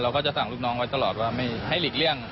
ก็จะสั่งลูกน้องไว้ตลอดว่าไม่ให้หลีกเลี่ยง